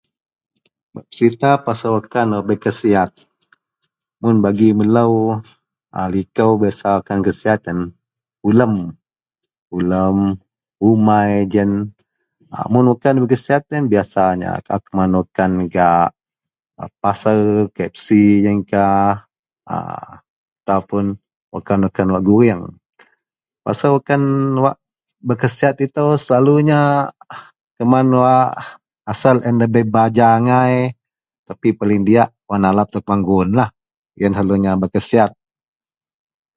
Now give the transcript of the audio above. Serita pasal wakkan bei khasiat-- Mun bagi melo aliko biasa wakkan khasiat iyen, ulem, ulem, umai g iyen mun wakkan khasiat biasaya kaau keman gak paser KFC g iyenkah ataupun wakkan-wakkan goreng. Pasal wakkan wak berkhasiat ito selalunya kuman wak asel da bei baja angai Paling diyak wak nalap telo kuman guwon iyen selalunya berkhasiat.